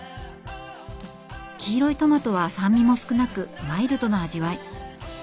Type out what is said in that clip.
黄色いトマトは酸味も少なくマイルドな味わい。